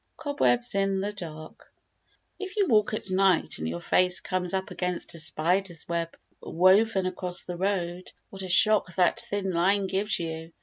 Cobwebs in the Dark If you walk at night and your face comes up against a spider's web woven across the road, what a shock that thin line gives you!